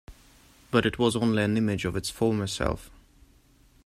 But it was only an image of its former self.